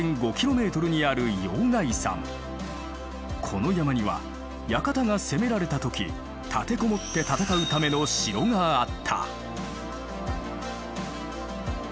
この山には館が攻められた時立て籠もって戦うための城があった。